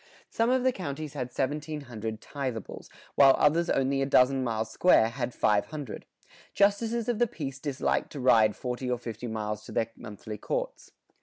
Some of the counties had 1,700 tithables, while others only a dozen miles square had 500. Justices of the peace disliked to ride forty or fifty miles to their monthly courts.